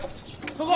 そこ！